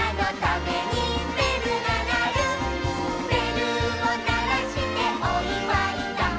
「べるをならしておいわいだ」